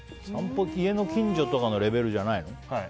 家の近所とかのレベルじゃないの？